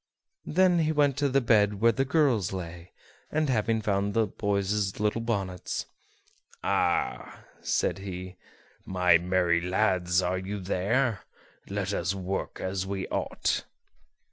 Then he went to the bed where the girls lay; and, having found the boys' little bonnets, "Ah!" said he, "my merry lads, are you there? Let us work as we ought."